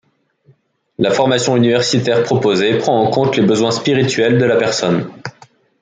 La formation universitaire proposée prend en compte les besoins spirituels de la personne.